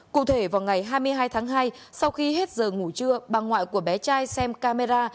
cụ thể vào ngày hai mươi hai tháng hai sau khi hết giờ ngủ trưa bà ngoại của bé trai xem camera